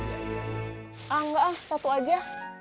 ah enggak ah satu aja